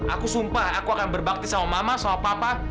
aku sumpah aku akan berbakti sama mama sama papa